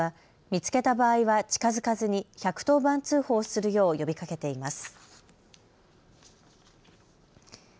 見つけた場合は近づかず１１０番通報するよう呼びかけています。